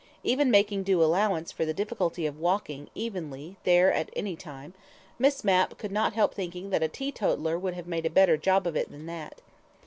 Even making due allowance for the difficulty of walking evenly there at any time, Miss Mapp could not help thinking that a teetotaller would have made a better job of it than that.